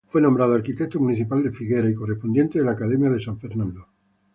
Fue nombrado arquitecto municipal de Figueras y Correspondiente de la Academia de San Fernando.